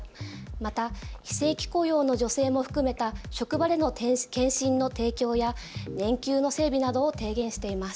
また非正規雇用の女性も含めた職場での検診の提供や年休の整備などを提言しています。